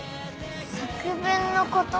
作文のこと？